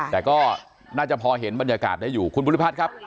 แต่ก็น่าจะพอเห็นบรรยากาศได้อยู่คุณบุริพัฒน์ครับ